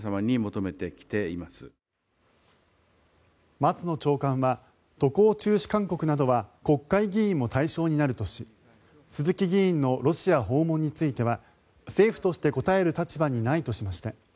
松野長官は渡航中止勧告などは国会議員も対象になるとし鈴木議員のロシアの訪問については政府として答える立場にないとしました。